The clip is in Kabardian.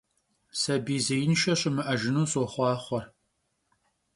Sabiy zêinşşe şımı'ejjınu soxhuaxhue!